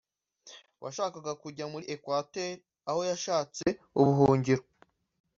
washakaga kujya muri Equadeur aho yatse ubuhungiro